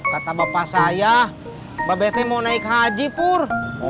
kata bapak saya bapak bete mau naik haji pur